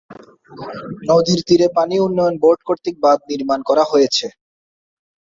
নদীর তীরে পানি উন্নয়ন বোর্ড কর্তৃক বাধ নির্মাণ করা হয়েছে।